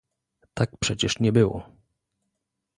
Tak przecież nie było